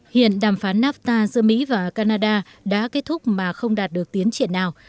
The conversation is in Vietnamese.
hiện đàm phán nafta giữa mỹ và canada đã kết thúc mà không đạt được tiến triển nào